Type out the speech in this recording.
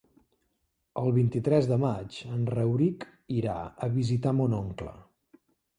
El vint-i-tres de maig en Rauric irà a visitar mon oncle.